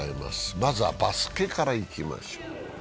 まずはバスケからいきましょう。